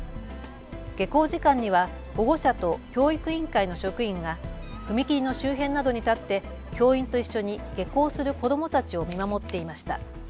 下校時間には保護者と教育委員会の職員が踏切の周辺などに立って教員と一緒に下校する子どもたちを見守っていました。